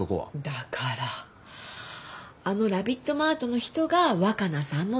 だからあのラビットマートの人が若菜さんの旦那さん。